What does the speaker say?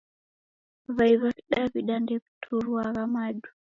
W'ai w'a kidaw'ida ndew'ituruagha madu